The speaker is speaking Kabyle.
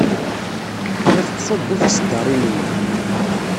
Tella tettṣubbu tiseddaṛin-nni.